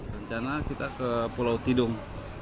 rencana kita ke pulau tidung